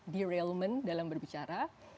derailment dalam berbicara